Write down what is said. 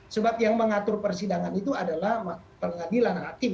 sebab yang mengatur persidangan itu adalah pengadilan hakim